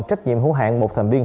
trách nhiệm hữu hạng một thầm biên